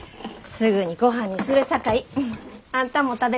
すぐにごはんにするさかいあんたも食べていき。